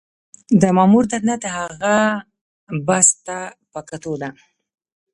د مامور دنده د هغه بست ته په کتو ده.